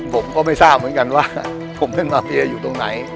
ผมก็ไม่ทราบเหมือนกันว่าผมเป็นมาเฟียอยู่ตรงไหน